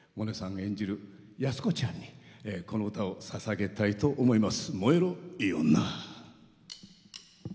演じる安子ちゃんにこの歌をささげたいと思います。